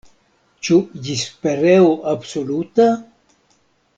Ĉu ĝis pereo absoluta?